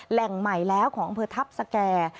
แหล่งใหม่แล้วของอำเภอทัพสแก่